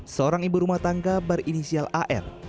seorang ibu rumah tangga berinisial ar